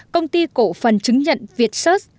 công ty cổ phần chứng nhận việt sớt